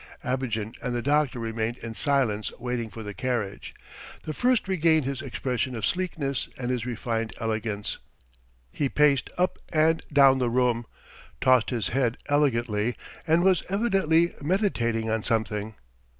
Abogin and the doctor remained in silence waiting for the carriage. The first regained his expression of sleekness and his refined elegance. He paced up and down the room, tossed his head elegantly, and was evidently meditating on something.